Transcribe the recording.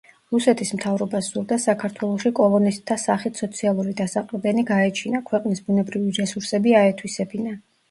რუსეთის მთავრობას სურდა საქართველოში კოლონისტთა სახით სოციალური დასაყრდენი გაეჩინა, ქვეყნის ბუნებრივი რესურსები აეთვისებინა.